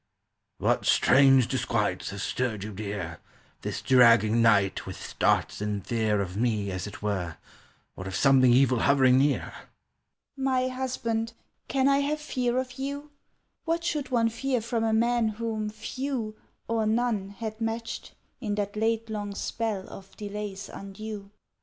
"What strange disquiets have stirred you, dear, This dragging night, with starts in fear Of me, as it were, Or of something evil hovering near?" "My husband, can I have fear of you? What should one fear from a man whom few, Or none, had matched In that late long spell of delays undue!"